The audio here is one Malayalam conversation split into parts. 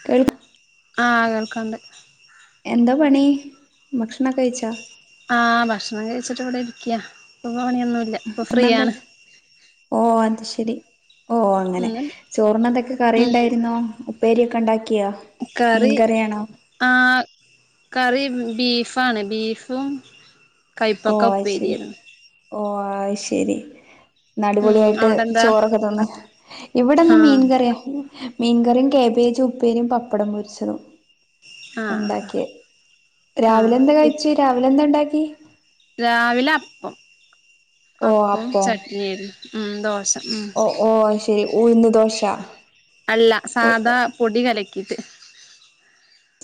[unintelligible] ആഹ് കേൾക്കാണ്ട് എന്താ പണി ഭക്ഷണൊക്കെ കയിച്ചാ- ആഹ് ഭക്ഷണം കഴിച്ചിട്ട് ഇവടെ ഇരിക്ക്യ ഇപ്പൊ പണിയൊന്നു പിന്നെന്താ ഓ അത് ശരി ഓ അങ്ങനെ ഇന്ന് ചോറിനെന്തൊക്കെ ഉം കറിയുണ്ടായിരുന്നു ഉപ്പേരിയൊക്കെണ്ടാക്കിയോ കറി ആഹ് കറി ബീഫാണ് ബീഫും കൈപ്പക്ക ഓഹ് അയ് ശരി ഉപ്പേരിയായിരുന്നു ഓഹ് അയ് ശരി ഉം അടിപൊളിയായിട്ട് അവിടെന്താ ചോറൊക്കെ തിന്ന് ഇവിടെന്ന് ആഹ് മീൻ കറിയ- മീൻകറിയും കാബേജ് ഉപ്പേരിയും പപ്പടം പൊരിച്ചതും ആഹ് ഒണ്ടാക്കിയെ ആഹ് രാവിലെ എന്താ കഴിച് രാവിലെന്താണ്ടാക്കി രാവിലെ അപ്പം ഓ അപ്പവും അപ്പോ ചട്നിയേരുന്നു ഉം ദോശ ഉം ഓ ഓ അയ് ശരി ഉഴുന്ന് ദോശ അല്ല സാധാ പൊടി കലക്കിയിട്ട്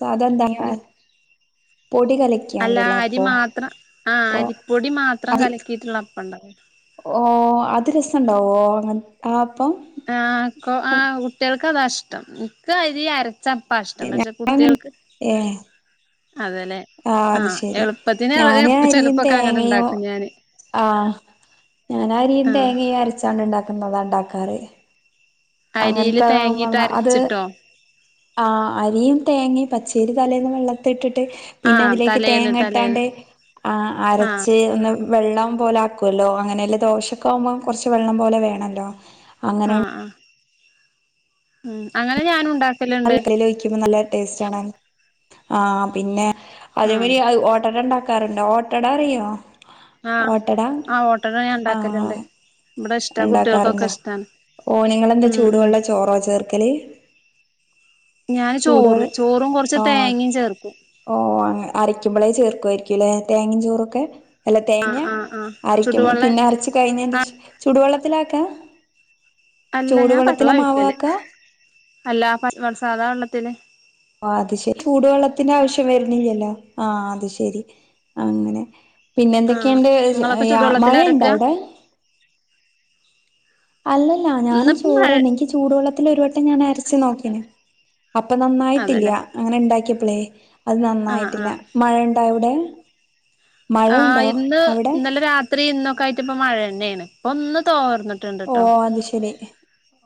സാധ എന്താ പൊടി കല അല്ല അരി മാത്രം ആഹ് അരിപ്പൊടി മാത്രം അതി കലക്കിയിട്ടുള്ള അപ്പ ണ്ടാവുലോ ഓ അത് രസംണ്ടാവോ അങ്ങ ആ അപ്പം ആഹ് കോ ആഹ് കുട്ടികൾക്ക് അതാ ഇഷ്ടം എൻക്ക് അരി അര ചപ്പാ ഇഷ്ടം പക്ഷെ ഞങ്ങ കുട്ടികൾക്ക് അതെലെ ആഹ് അത് ശെരി ഞാന് അരിയും ചെലപ്പൊക്കെ അങ്ങനെ തേങ്ങയോ ഇണ്ടാക്കും ഞാന് ആഹ് ഞാൻ അരിയും ആഹ് തേങ്ങയും അരച്ചാ ണ്ട് ഉണ്ടാക്കുന്നതാ ഉണ്ടാക്കാറ് അരിയില് തേങ്ങയിട്ട് അങ്ങനത്തെതാവുമ്പ അത് അരച്ചിട്ടോ ആഹ് അരിയും തേങ്ങയും പച്ചേരി തലേന്ന് വെള്ളത്തി ഇട്ടിട്ട് പിന്നെ ആഹ് അതിലേക്ക് തലേന്ന് തേങ്ങ തലേന്ന് ഇട്ടാട്ട് ആഹ് ആഹ് അരച്ച് വെള്ളം പോലെ ആക്കുവല്ലോ അങ്ങനെല്ല ദോഷക്കാവുമ്പോം കുറച്ച് വെള്ളം പോലെ വേണല്ലോ അങ്ങനെ ആഹ് ആഹ് ഉം അങ്ങനെ ഞാനും ഉണ്ടാ നല്ല കൽ ഒഴിക്കുമ്പോ നല്ല ടേസ്റ്റ് ആണ് ആഹ് പിന്നെ അതേ ആഹ് മരി അഹ് ഓട്ടട ഉണ്ടാക്കാറുണ്ട് ഓട്ടട അറിയോ ആഹ് ഓട്ടട ആഹ് ഓട്ടട ഞാൻ ഉണ്ടാക്കലുണ്ട് ആഹ് ഇവിടെ ഇഷ്ടാ കുട്ടികൾക്കൊക്കെ ഉണ്ടാക്കാറുണ്ടോ ഇഷ്ടാണ് ഓ നിങ്ങളെന്താ ഉം ഉം ചൂടുവെള്ള ചോറോ ചേർക്കല് ഞാന് ചോറ് ചൂടുവെള്ളം ചോറും കുറച്ച് ആഹ് തേങ്ങയും ചേർക്കും ഓ അങ്ങനെ അരയ്ക്കുമ്പോളേ ചേർക്കുവായിരിക്കുംല്ലെ തേങ്ങയും ചോറൊക്കെ അ ല്ല ആഹ് തേങ്ങ ആഹ് ആഹ് അരക്കും ചുടുവെള്ള പിന്നെ അരച്ച് കഴിഞ്ഞതിൻ്റെ ആഹ് ശേഷം ചൂടുവെള്ളത്തിലാക്ക അല്ല ഞാൻ ചൂടുവെള്ളത്തില പച്ചവെള്ള മാവ് ഒഴിക്കല് ആക്ക അല്ല പച് സാദ വെള്ളത്തില് ഓ അത് ശരി ചൂടുവെള്ളത്തിന്റെ ആവശ്യം വര് ണില്ലല്ലോ ആഹ് അത് ശരി അങ്ങനെ പിന്നെ ആഹ് എന്തൊക്കെയുണ്ട് നിങ്ങളൊക്കെ യാ ചുടുവെള്ളത്തില മഴയുണ്ടോ അരക്ക അവിടെ അല്ലല്ല ഞാനും ഇന്നിപ്പോ മഴ ചോറ്ന്നെ എനിക്ക് ചൂടുവെള്ളത്തി ഒരു വട്ടം ഞാൻ അരച്ചു നോക്കീനി അപ്പൊ നന്നായിട്ടില്ല അതെല്ലേ അങ്ങനെ ഉണ്ടാക്കിയപ്പളേ അത് ആഹ് നന്നായിട്ടില്ല ആഹ് മഴണ്ടോ അവിടെ മഴ ആഹ് ഉണ്ടോ ഇന്ന് അവിടെ ഇന്നലെ രാത്രി ഇന്നൊക്കെ ആയിട്ട് ഇപ്പ മഴ തന്നെയാണ് ഇപ്പൊ ഒന്ന് തോർന്ന് ഓ അത് ശരി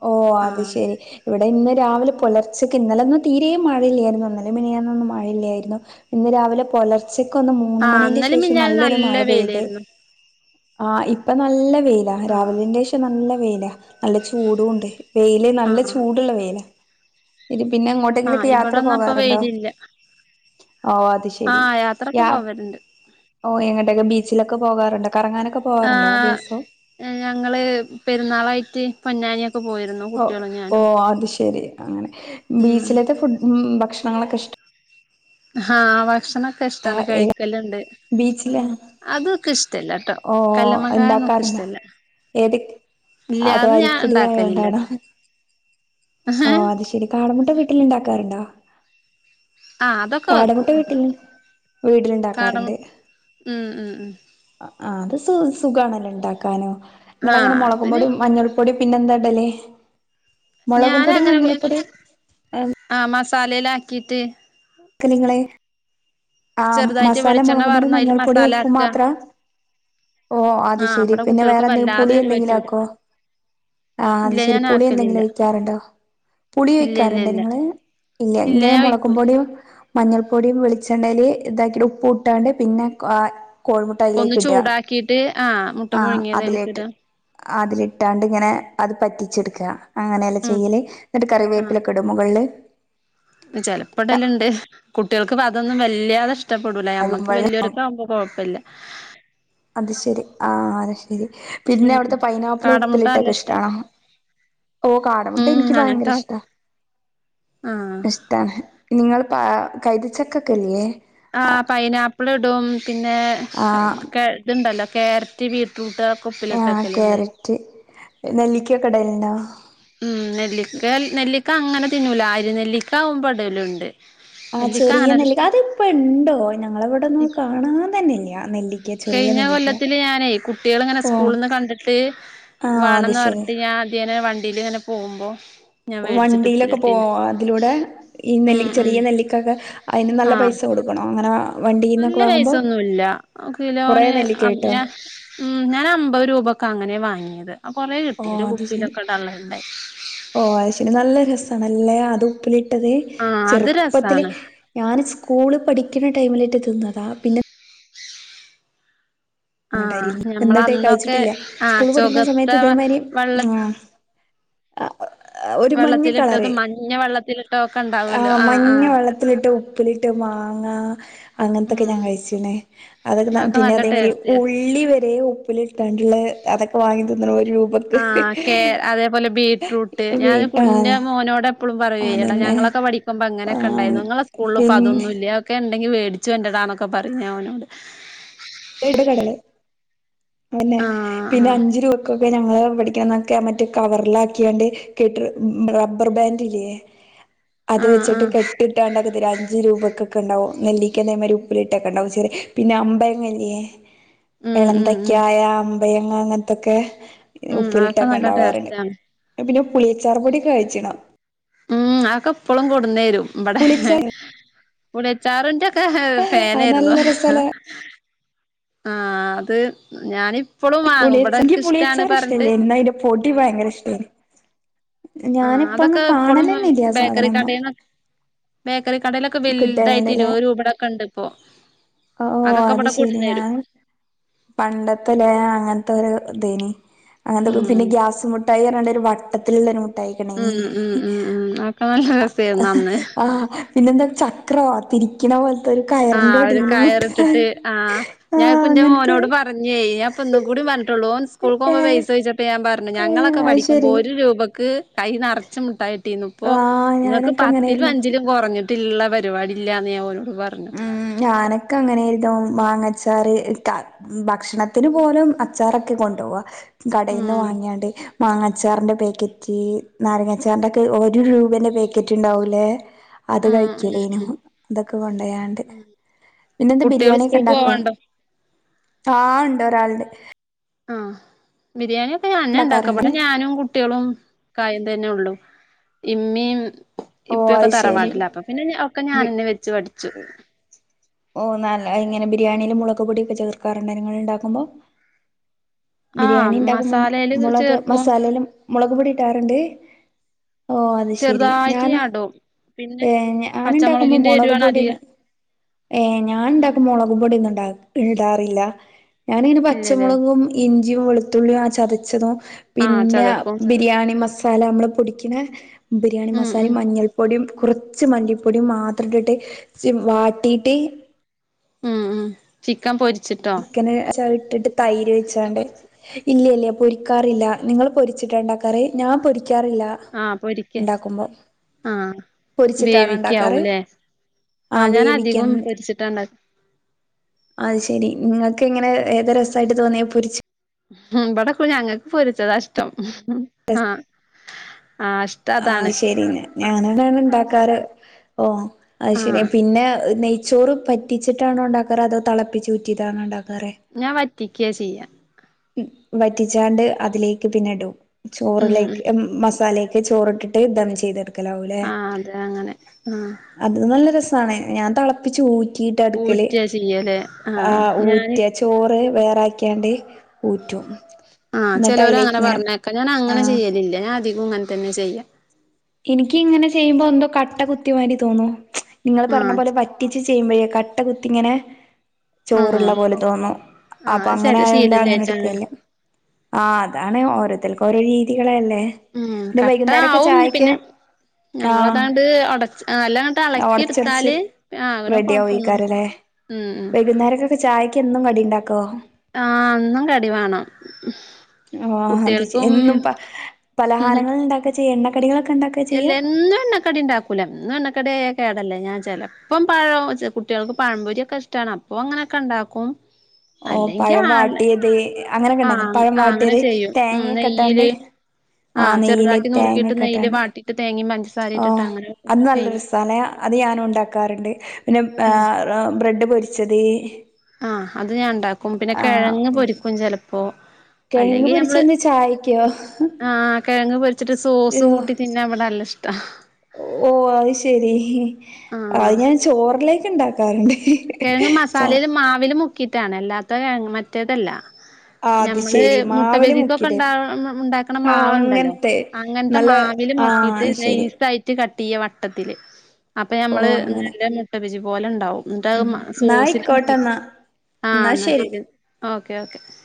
ഓ അത് ആഹ് ശരി ഇവിടെ ഇന്ന് രാവിലെ പുലർച്ചയ്ക്ക് ഇന്നലെന്നും തീരേ മഴയില്ലായിരുന്നു ഇന്നലും മിനിയാന്നൊന്നും മഴയില്ലായിരുന്നു ഇന്ന് രാവിലെ പുലർച്ചക്കൊന്ന് മൂന്ന് ആഹ് മണിൻ്റെ ഇന്നലിം ശേഷം മിഞ്ഞാന്നും നല്ലൊരു നല്ല മഴ പെയ്ത് വെയിലായിരുന്നു ആഹ് ഇപ്പ നല്ല വെയില ആഹ് രാവിലിന്റെ പ നല്ല വെയില നല്ല ചൂടൊണ്ട് വെയില് നല്ല ആഹ് ചൂടുള്ള വെയില ഇനി പിന്നെ ആഹ് എങ്ങോട്ടെങ്കിലൊക്കെ യാത്ര ഇവിടൊന്നും ഇപ്പൊ പോകാറുണ്ടോ വെയിലില്ല ഓ അത് ശെരി ആഹ് യാത്രൊക്കെ യാ പോവലുണ്ട് ഓ എങ്ങട്ടൊക്കെ ബീച്ചിലൊക്ക പോവാറുണ്ട് കറങ്ങാനൊക്കെ പോകാറുണ്ടോ ദിവസവും ആഹ് ഞങ്ങള് പെരുന്നാളായിട്ട് പൊന്നാനിയൊക്കെ പോയി ഓ ഓ അത് ശെരി അങ്ങനെ ഉം ബീച്ചിലത്തെ ഫുഡ് ഉം ഭക്ഷണങ്ങളൊക്കെ ഇഷ്ട ആഹ് ഭക്ഷണൊക്കെ ഇഷ്ടമാണ് കഴിക്കല്ണ്ട് ബീച്ചില അതൊക്കെ ഇഷ് ടല്ല ട്ടോ ഓ കല്ലുമ്മക്കയന്നും ക്ക്‌ ഉണ്ടാക്കാറുണ്ടോ ഇഷ്ടല്ല ഏത് ഇല്ല അത് ഞാൻ അരിപ്പൊടി ആയോണ്ടാണോ ഉണ്ടാക്കലില്ലട്ടോ ഓ അത് ആഹ് ശെരി കാടമുട്ട വീട്ടില് ഇണ്ടാക്കാറുണ്ടോ അതൊക്കെ വെക്കും കാടമുട്ട വീട്ടിൽ കാടം വീടിലുണ്ടാക്കാറുണ്ട് ഉം ഉം ഉം ആഹ് അത് സു സുഖാണല്ലോ ഉണ്ടാക്കാനും ആഹ് നിങ്ങളെങ്ങനെ അതിന് മുളകുപ്പോടി മഞ്ഞൾ പൊടി പിന്നെന്ത ഇടൽ മുളകും ല പൊടി അങ്ങനെ മഞ്ഞൾപ്പൊടി ആഹ് മസാലയിലാക്കിയിട്ട് ക്ക് നിങ്ങളെ ആ ചെറുതായിട്ട് മസാല വെളിച്ചെണ്ണ മുളകും പൊടി വാർന്ന് അതില് മഞ്ഞൾപ്പൊടി മസാല ഉപ്പും ആക്ക മാത്ര ഓ അത് ആഹ് ശെരി ഇബടെ പിന്നെ കുട്ടികൾക്ക് വേറെന്തെങ്കിലും വല്ലാതെ പുളി എരു എന്തെങ്കിലും പറ്റൂല ആക്കോ ആഹ് അത് ഇല്ല ശരി ഞാൻ പുളി എന്തെങ്കിലും ആക്കലില്ല ഒഴിക്കാറുണ്ടോ പുളി ഇല്ല ഇല്ല ഒഴിക്കാറുണ്ട് ഇല്ല നിങ്ങള് ഇല്ല ഇങ്ങനെ ഞാൻ ഒഴിക്കൂല മുളക്കുപോടിയും മഞ്ഞൾപ്പൊടിയും വെളിച്ചെണ്ണയിൽ ഇതാക്കിട്ട് ഉപ്പ് ഇട്ടാണ്ട് പിന്നെ കാ കോഴിമുട്ട ഒന്ന് അതിലേക്ക് ഇടാ ചൂടാക്കിട്ട് ആഹ് മുട്ട ആഹ പുഴുങ്ങിയത് അതിലേട്ട്. അയില്ക്കിടാ അതിലിട്ടാണ്ട് ഇങ്ങനെ അത് പറ്റിച്ചെടുക്കുക അങ്ങനെയലെ ഉം ചെയ്യല് എന്നിട്ട് കറിവേപ്പില. ടുമുകളിൽ. ചെലപ്പം ഇടൽ ഇണ്ട് കുട്ടികൾക്ക് അതൊന്നും വല്യാതെ ഇഷ്ടപ്പെടൂല നമ്മക്ക് ആകുമ്പള് വല്യൊരുക്ക് ആവുമ്പോ കുഴപ്പമില്ല. അത് ശെരി ആ അത് ശെരി പിന്നെ ഉം അവിടുത്തെ പൈനാപ്പിള് കാടമുട്ട നല്ല ഉപ്പിലിട്ടൊക്കെ ഇഷ്ട ഇഷ്ടണോ? ഓ കാടമുട്ട ഉം എനിക്ക് ഭയങ്കര ഇഷ്ട. ആ ഇഷ്ടാണ് നിങ്ങൾ പ കൈത ചക്ക ഒക്കല്ലേ? ആ പൈനാപ്പിൾ ഇടും പിന്നെ ആഹ് ഇതുണ്ടല്ലോ ക്യാരറ്റ് ബീട്രൂട്ട്. ആ ക്യാരറ്റ് നെല്ലിക്കൊക്കെ ഇടല്ണ്ടോ? ഉം നെല്ലിക്ക നെല്ലിക്ക അങ്ങനെ തിന്നൂല അരി നെല്ലിക്കാവുമ്പോ ഇടലുണ്ട്. ആ നെല്ലിക്ക ചെറിയ അങ്ങനെ നെല്ലിക്ക അത് ഇപ്പോ ഇണ്ടോ ഞങ്ങളെവിടെ ഒന്നും ഇഷ് കാണാൻ തന്നെയില്ല നെല്ലി കഴിഞ്ഞ കൊല്ലത്തില് ഞാനേ കുട്ടികൾ ഇങ്ങനെ ഓഹ് സ്കൂളിന്ന് കണ്ടിട്ട്. ആഹ് അത് വാണംന്ന് ശരി പറഞ്ഞിട്ട് ഞാൻ അധിയേന വണ്ടിയിൽ ഇങ്ങനെ പോകുമ്പോ. ഞാൻ മേടിച്ചിട്ട് വണ്ടിയിലൊക്കെ പോ ഉപ്പിലിട്ടീന്ന് അതിലൂടെ ഈ നെ ഉം ഉം ചെറിയ നെല്ലിക്കൊക്കെ അതിന് നല്ല ആഹ് പൈസ കൊടും ക്കണം അങ്ങനെ. വണ്ടീന്നൊക്കെ നല്ല വാങ്ങുമ്പോ പൈസൊന്നുല്ല കൊറേ കിലോന് നെല്ലിക്ക അ കിട്ടോ ഉം ഞാൻ അമ്പത് രൂപൊക്കെ അങ്ങനെ വാങ്ങിയത് ആ കൊറെ കിട്ടി ഓഹ് ഒരു അത് ശരി കുപ്പയിലൊക്കെ ഇടാ ള്ളത്. ഓ അയി ശരി നല്ല രസാണല്ലേ അത് ഉപ്പിലിട്ടത് ആഹ് അത് ചെറുപ്പത്തില്. രസാണ് ഞാൻ സ്കൂള് പഠിക്കുന്ന ടൈമിലേറ്റെ തിന്നതാ പിന്നെ. ആഹ് ഞമ്മള് എന്നിട്ടേ അന്നൊക്കെ കഴിച്ചിട്ടില്ല ആഹ് സ്കൂള് പഠിക്കുന്ന ചൊകത്ത സമയത്ത് ഇതേമാതിരി വെള്ള ആ ആ ഒരു മഞ്ഞ കളർ പിഞ്ഞ വെള്ളത്തില്. ടോക്കണ്ട. ആ മഞ്ഞ വെള്ളത്തിലിട്ട് ഉപ്പിലിട്ട് മാങ്ങ. അങ്ങനത്തൊക്കെ ഉം ഞാൻ കഴിച്ചിന് അതൊക്കെ പിന്നെ നല്ല അതേമാരി ടേസ്റ്റ് ആയിരുന്നു ഉള്ളി വരെ. ലിട്ടാണ്ടുള്ള അതൊക്കെ വാങ്ങി തിന്ന്ണ് ഒരു രൂപ. ആ കേ അതേപോലെ ബീറ്റ്റൂട്ട് ഞാൻ വീട്ടാ കുഞ്ഞ ഇന്റെ മോനോട് എപ്പഴും പറയു എയ് എടാ അതന്നെ ഞങ്ങളൊക്കെ പഠിക്ക ്പ ആ അങ്ങനൊക്കെ ഉണ്ടായിരുന്നു നിങ്ങളെ സ്കൂളിൽ ഇപ്പ പിന്നെ അതൊന്നുമില്ലേ ഒക്കെ ഉണ്ടെങ്കി മേടിച്ചു കൊണ്ടടാന്നൊക്കെ പറയും. അവനോട് [unintelligible] ക്കൻ ആഹ് ആഹ് മറ്റേ കവറില ആാക്കിയാണ്ട് കെട്ടിണ റബ്ബർ ബാൻഡ്ല്ലേ? അത് ആഹ് വെച്ചിട്ട് ആഹ് കെട്ടി ഇട്ടാണ്ടാക്ക ഒരു അഞ്ച് രൂപ കൊക്കെണ്ടാകും നെല്ലിക്ക അതേ മാതിരി ഉപ്പിലിട്ടൊ കെണ്ടാകും പിന്നെ അമ്പയങ്ങലെ? ഉം ഉം ഉം എളന്തക്കായ അമ്പയങ്ങ അങ്ങനത്തൊക്കെ. ഉം അതൊക്കെ ഉപ്പിലിട്ടൊക്കെ നല്ല ഉണ്ടാവാറുണ്ട് ടേസ്റ്റാണ് പിന്നെ പുളിയച്ചാർ പൊടി ഒകെ കഴിച്ച് ണോ? ഉം അതൊക്കെ ഇപ്പളും കൊടുന്നേരും ഇവിടെ. പുളിച്ചാർ പുളി അച്ചാറിന്റെ ഒക്കെ അത് ഫാൻയിരുന്നു. നല്ല രസല്ലേ ആ അത് ഞാന്. എനിക്ക് പുളിയച്ചാറ് ഇഷ്ടല്ലേ യിരുന്നു എന്നാ അതിന്റെ പൊടി ഭയങ്കര ഇഷ്ട്ടെനി ആഹ് ഞാനിപ്പോഴൊന്നും അതൊക്കെ ഇപ്പളും കാണലെന്നെ ഇല്ലാ സാധനം ബേക്കറി ഒന്നും. കടേന്നൊ ബേക്കറി കടേലൊക്കെ. ക്കെ വലുതായിട്ട് കിട്ടലുണ്ടല്ലേ ഇരുപത് രൂപേടൊക്കെ ഇണ്ട് ഇപ്പോ ഓ അതൊക്കെ ഇവിടെ കൊടുന്നേരും. പണ്ടത്തെല്ല അങ്ങനത്തെ ഒരു ഇതേനി അങ്ങനത്തെ പിന്നെ ഉം ഗ്യാസ് മുട്ട ട്ടായി പറഞ്ഞാണ്ട് ഒരു വട്ടത്തിലുള്ള. ഉം [unintelligible] ഉം ഹി ഉം ഉം അതൊക്കെ നല്ല രസമായിരുന്നു അന്ന് ആഹ് പിന്നെ എന്താ ചക്രവാത്തിരി. പോലത്തെ ഒരു കയറിന്റെറെ ആഹ് വടി ഒരു കയറിട്ടിട്ട് മുട്ടായി ആഹ് ആ് ഞാനിപ്പോ എന്റെ അങ്ങനത്തെ. മോനോട് പറഞ്ഞേ ഞാപ്പൊന്നും കൂടി പറഞ്ഞിട്ടുള്ളൂ സ്കൂൾ ഏ പോകുമ്പോ പൈസ ചോദിച്ചപ്പോ ഞാൻ പറഞ്ഞെ യ്. ഏ ഞങ്ങളൊക്കെ അത് പഠിക്കുമ്പോ ശരി ഒരു രൂപക്ക് കൈ നറചും മുട്ടായിട്ടീന്നു. അപ്പൊ ആഹ് ഇങ്ങക്ക് ഞാനൊക്കെ പത്തില്ന്നും അങ്ങനെയായിരുന്നു അഞ്ചിലും കൊറഞ്ഞിട്ടുള്ള പരിപാടി ഇല്ലാന്ന് ഞാൻ ഓലോട് പറഞ്ഞു ഞാനൊക്കെ അങ്ങനേര്ന്നു മാങ്ങച്ചാറ് ഒട്ടാ ഭക്ഷണത്തിന് പോലും അച്ചാറൊക്കെ കൊണ്ടോവാ ഉം കടയിന്ന് വാങ്ങിയാണ്ട് മാങ്ങച്ചാറിൻ്റെ പാക്കറ്റ് നാരങ്ങച്ചാറിന്റൊക്കെ ഒരു രൂപേന്റെ പാക്കറ്റ് ഉണ്ടാവുല്ലേ അത് ഉം ഉം കഴിക്കലേനു ഉം ഇതൊക്കെ കൊണ്ടയാണ്ട് ഉം പിന്നെന്ത കുട്ടികൾ ബിരിയാണിയൊക്കെ സ്കൂൾക്ക് ഇണ്ടാക്കോ പോവാണ്ടോ ആഹ ഇണ്ട് ഒരാൾണ്ട് ആഹ ബിരിയാണിയൊക്കെ ഞാനെന്നെണ്ടാക്ക ഉണ്ടാക്കാറുണ്ട് ഇബടെ ഞാനും കുട്ട്യാളും ക്കായും തന്നെ ഒള്ളു ഇമ്മീം ഓഹ് ഇപ്പിയൊക്കെ അത് ശരി തറവാട്ടില അപ്പൊ പിന്നെ ഒക്കെ ഞാനെന്നെ വെച്ചു പഠിച്ചു ഓ നല എങ്ങനെ ബിരിയാണില് മുളക് പൊടിയൊക്കെ ചേർക്കാറുണ്ടോ നിങ്ങള്ണ്ടാക്കുമ്പോ ആഹ് ബിരിയാണിണ്ടാക്കുമ്പോ മസാലേല് മുളക് ചേർക്കും മസാലയില് മുളക് പൊടി ഇടാറുണ്ട് ഓ അത് ശെരി ചെറുതായിട്ട് ഞാന് ഞാടും പിന്നെ ഏ ഞാന്ണ്ടാക്കുമ്പോ പച്ചമുളകിന്റെ മൊളക് എരുവാണ് പൊടി അധികം ഏ ഞാൻ ഉം ഇണ്ടാക്കുമ്പൊ മുളകു പൊടിയൊന്നും ഇടാ ഇടാറില്ല ഞാനയിന് ഇല്ലല്ലേ പച്ചമുളകും ഇഞ്ചി വെളുത്തുള്ളിയും ആ ചതച്ചതും ആഹ് പിന്നെ ചതക്കും ബിരിയാണി മസ ല നമ്മള് പൊടിക്ക്‌ണ ബിരിയാണി ഉം മസാലിം ഉം മഞ്ഞൾ പൊടിയും കുറച്ച് മല്ലിപ്പൊടിയും മാത്രട്ടി സി വാട്ടിയിട്ട് മ്മ് മ്മ് ചിക്കൻ പൊരിച്ചിട്ടോ ച്ചിക്കന് ച ഇട്ടിട്ട് തൈര് ഒയിച്ചാണ്ട് ഇല്ല ഇല്ല പൊരിക്കാറില്ല നിങ്ങള് പൊരിച്ചിട്ട ഇണ്ടാക്കാറ് ഞാൻ പൊരിക്കാറില്ല ആഹ് പൊരിക്ക ഉണ്ടാക്കുമ്പോ ആഹ് പൊരിച്ചിട്ടാണോ ഉണ്ടാക്കാറ് വേവിക്കാവൂലേ ആ ആഹ് ഞാൻ വേവിക്കാൻ അധികോം പൊരിച്ചിട്ടണ്ടാക്ക അത് ശെരി നിങ്ങൾക്ക് എങ്ങനെ ഏത രസായിട്ട് തോന്നിയെ പൊരിച്ച് മ്മ്ഹ് ഇബടെപ്പൊ ഞങ്ങക്ക് പൊരിച്ചതാ ഇഷ്ടം ആ ആഷ് ആഹ് ശരി ഞാനാതിണ് ഇണ്ടാക്കാറ് ഓ അത് ശരി ആഹ് പിന്നെ നെയ് നെയ്ചോറ് പറ്റിച്ചിട്ടാണോ ഇണ്ടാക്കാറ് അതോ തിളപ്പിചൂറ്റീതാണോ ഉണ്ടാക്കാറ് ഞാൻ വറ്റിക്ക ചെയ്യാ വറ്റിച്ചാണ്ട് അതിലേക്ക് പിന്നെ ഇടും ഉം ഉം ചോറിലേക്ക് എ മസാലേക്ക് ക് ചോറിട്ടിട്ട് ദം ചെയ്തെടുക്കലാവൂലേ ആഹ് അതെ അങ്ങനെ ആഹ് അത് നല്ല രസാണ് ഞാൻ തളപ്പിച്ച് ഊറ്റീ റ്റടുക്കല് ഊറ്റാ ചെയ്യലേ ആ ആഹ് ഞാന് ഊറ്റ ചോറ് വേറാക്കിയാണ്ട് ഊറ്റും ആഹ് എന്നിട്ട് അതിലേക്ക് ചെലോരങ്ങനെ ഇങ്ങനെ പറഞ്ഞേക്ക ഞാനങ്ങനെ ആഹ് ചെയ്യലില്ല ഞാൻ അധികും ഇങ്ങനെ തന്നെ ചെയ്യാ എനിക്ക് ഇങ്ങനെ ചെയ്യുമ്പോ എന്തോ കട്ട കുത്തിയമാരി തോന്നും നിങ്ങൾ ആഹ് പറഞ്ഞ പോലെ പ റ്റിച്ച് ചെയ്യുമ്പഴേ കട്ട കുത്തി ഇങ്ങനെ ആഹ് ചോറ്ള്ള പോലെ തോന്നും ആഹ് അപ്പൊ അത് അങ്ങനെ ചെല ആയോണ്ട് അങ്ങനെ ശീലല്ലായിട്ടാണ് എടുക്കലില്ല ആ അതാണ് ഓരോത്തൽക്ക്‌ ഓരോ രീതികളല്ലേ ഉം പിന്നെ വൈകുന്നേരൊക്കെ ചായി പിന്നെ നമ്മളതാണ്ട് ഉടച് നല്ലങ്ങട്ട് ഒടച്ചൊടച്ച് എളക്കിടുത്താല് ആ അങ്ങനെ റെഡി കൊഴപ്പൊന്നുല്ല ആവോയ്ക്കാരല്ലേ ഇം ഇം വൈകുന്നേരക്കൊക്കെ ചായയ്ക്ക് എന്നും കടി ഇണ്ടാക്കോ ആ എന്നും കടി വേണം ആ കുട്ടികൾക്കും അത്എന്നും പ പലഹാരങ്ങള് ഇണ്ടാക്ക ചെയ എണ്ണക്കടികളൊക്കെ ഉണ്ടാക്ക എല്ല എന്നു എണ്ണ കടിണ്ടാക്കൂല എന്നും എണ്ണക്കടിയായ കേടല്ലേ ഞാൻ ചെലപ്പം പഴോ കുട്ടിയൾക്ക് പഴംപൊരിയൊക്കെ ഇഷ് ടാണ് അപ്പൊ അങ്ങനെയൊക്കെ ഇണ്ടാക്കും ഓ പഴം വാട്ടിയത്. അങ്ങനെയൊക്കെണ്ടാക്കും ആഹ് പഴം ആഹ് അങ്ങനെ വാട്ടിയത് ചെയ്യും ഉം തേങ്ങയൊക്കെ ഇട്ടാണ്ട്. നെയ്യില് ആഹ് നെയ്യില് തേങ്ങയൊക്കെ ഇട്ടാണ്ട്. തേങ്ങിം പഞ്ചസാര ഇട്ടിട്ടങ്ങനെ അങ്ങനെ ചെയ്യും. പല അത് ഞാനുണ്ടാക്കാറുണ്ട് പിന്നെ ഉം ആഹ് ബ്രെഡ് പൊരിച്ചത്. ആഹ് അത് ഞാൻ ഉണ്ടാക്കും പിന്നെ ആഹ് കിഴങ്ങ് പൊരിക്കും ചെലപ്പോ. കിഴങ്ങ് അല്ലെങ്കിൽ നമ്മള് പൊരിച്ചത് ചായക്കോ ആഹ് കിഴങ്ങ് പൊരിച്ചിട്ട് സോസ് കൂട്ടി തി ന്നെ ഇവിടെ നല്ല ഇഷ്ടാ. ഓ അത് ശരി അത് ആഹ് ഞാൻ ചോറിലേക്ക് ഉണ്ടാ ക്കാറുണ്ട്. കിഴങ്ങ് മസാലേൽ മാവിൽ മുക്കിയിട്ടാണ് അല്ലാത്ത കിഴങ്ങ് മറ്റേതല്ല. ആ അത് ഞമ്മള് ശെരി മുട്ട മാവില് ബജിക്കൊക്കെ മുക്കിട് ഉണ്ട ഉണ്ടാക്ക്ണ ആ മാവുണ്ടല്ലോ. അങ്ങനത്തെ അങ്ങനത്തെ നല്ല മാവിൽ ആ മുക്കിയിട്ട് ശരി നൈസ് ആയി ട്ട് കട്ട് ചെയ്യ് വട്ടത്തില് അപ്പോ ഓ ഞമ്മള് അങ്ങനെ നല്ല മുട്ട ബജ്ജി പോലെ ഉണ്ടാവും. ഉം എന്നിട്ടത് ന്നാ സോസില് മുക്കി ആയിക്കോട്ടെന്നാ ആഹ് എന്നാ ശരി ഓക്കേ ഓക്കെ.